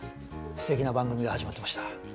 すてきな番組が始まってました。